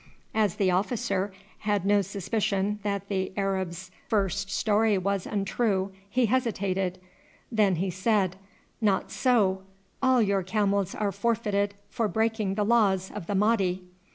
As the officer had no suspicion that the Arab's first story was untrue he hesitated; then he said, "Not so; all your camels are forfeited for breaking the laws of the Mahdi."